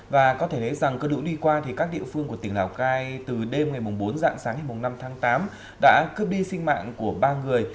và có thể thấy rằng cơn lũ đi qua thì các địa phương của tỉnh lào cai từ đêm ngày bốn dạng sáng ngày năm tháng tám đã cướp đi sinh mạng của ba người